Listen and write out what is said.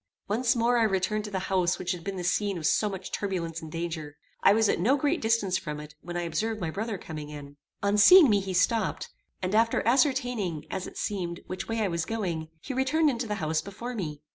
Once more I returned to the house which had been the scene of so much turbulence and danger. I was at no great distance from it when I observed my brother coming out. On seeing me he stopped, and after ascertaining, as it seemed, which way I was going, he returned into the house before me.